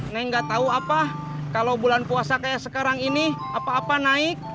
neng nggak tahu apa kalau bulan puasa kayak sekarang ini apa apa naik